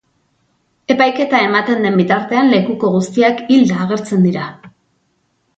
Epaiketa ematen den bitartean, lekuko guztiak hilda agertzen dira.